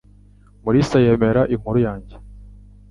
Mulisa yemera inkuru yanjye.